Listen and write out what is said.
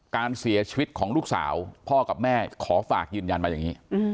การเสียชีวิตของลูกสาวพ่อกับแม่ขอฝากยืนยันมาอย่างนี้